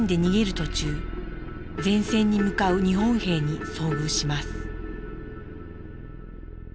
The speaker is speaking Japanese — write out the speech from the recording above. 途中前線に向かう日本兵に遭遇します。